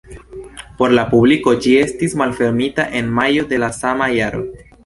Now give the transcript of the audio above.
Por la publiko ĝi estis malfermita en majo de la sama jaro.